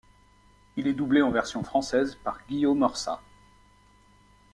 Il est doublé en version française par Guillaume Orsat.